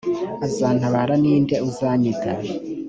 azantabara ni nde uzanyita